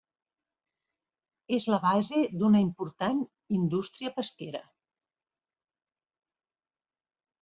És la base d'una important indústria pesquera.